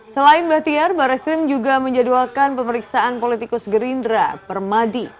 selain bahtiar barreskrim juga menjadwalkan pemeriksaan politikus gerindra permadi